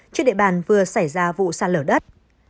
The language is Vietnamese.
trên địa bàn vừa xảy ra vụ sạt lở đất